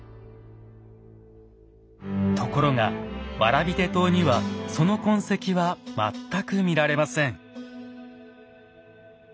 ところが蕨手刀にはその痕跡は全く見られません。